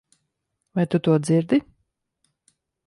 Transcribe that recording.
Vai tu to dzirdi?